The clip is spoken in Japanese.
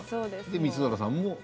光浦さんも？